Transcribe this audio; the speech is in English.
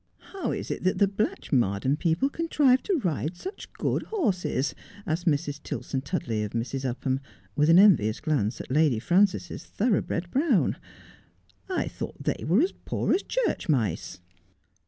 ' How is it that the Blatchmardean people contrive to ride such good horses 1 ' asked Mrs. Tilson Tudley of Mr. Upham, with an envious glance at Lady Frances's thorough bred brown. I thought they were as poor as church mice.'